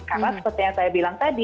karena seperti yang saya bilang tadi